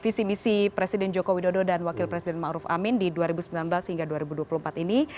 visi misi presiden joko widodo dan wakil presiden ⁇ maruf ⁇ amin di dua ribu sembilan belas hingga dua ribu dua puluh empat ini